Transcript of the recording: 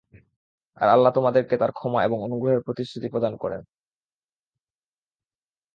আর আল্লাহ তোমাদেরকে তাঁর ক্ষমা এবং অনুগ্রহের প্রতিশ্রুতি প্রদান করেন।